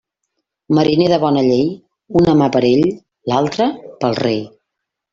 Mariner de bona llei, una mà per ell; l'altra, pel rei.